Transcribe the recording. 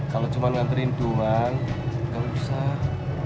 kalau cuma nganterin duan enggak usah